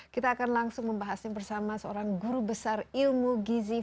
kita akan langsung membahasnya bersama seorang guru besar ilmu gizi